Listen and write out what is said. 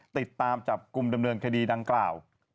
ติดตามจับกลุ่มดำเนินคดีดังกล่าว